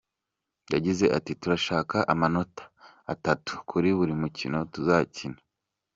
Yagize ati: “Turashaka amanota atatu kuri buri mukino tuzakina.